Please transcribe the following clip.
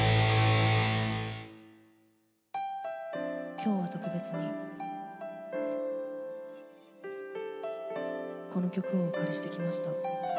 今日は特別にこの曲をお借りしてきました。